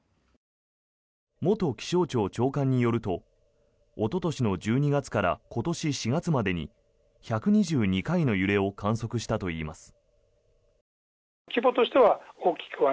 元気象庁長官によるとおととしの１２月から今年４月までに１２２回の揺れを観測したといいます。